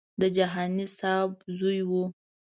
د جهاني صاحب زوی و.